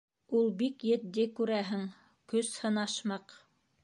Ул бик етди, күрәһең, көс һынашмаҡ.